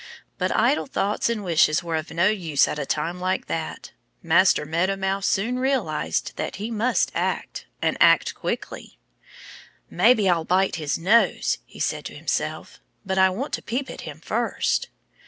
But idle thoughts and wishes were of no use at a time like that. Master Meadow Mouse soon realized that he must act and act quickly. "Maybe I'll bite his nose," he said to himself. "But I want to peep at him first."